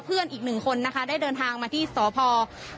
เพื่อนอีกหนึ่งคนนะคะได้เดินทางมาที่สพมนทบรีสพม